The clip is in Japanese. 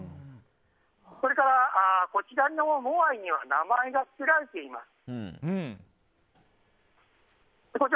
それから、こちらのモアイには名前が付けられています。